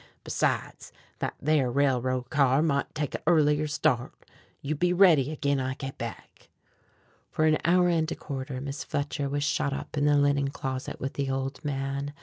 Besides, that thar railroad car mought take a earlier start. You be ready ag'in I git back." For an hour and a quarter Miss Fletcher was shut up in the linen closet with the old man.